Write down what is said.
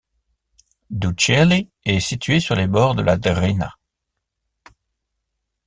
Dučeli est situé sur les bords de la Drina.